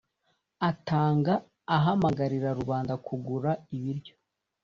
atanga ahamagarira rubanda kugura ibiryo